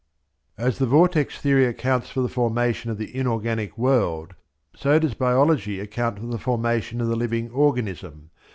As the vortex theory accounts for the formation of the inorganic world, so does biology account for the formation of the living organism.